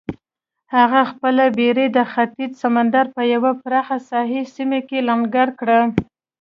هغه خپله بېړۍ د ختیځ سمندر په یوه پراخه ساحلي سیمه کې لنګر کړه.